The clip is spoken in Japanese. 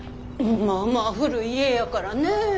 まあまあ古い家やからねえ。